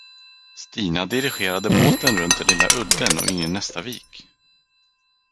Stina dirigerade båten runt den lilla udden och in i nästa vik.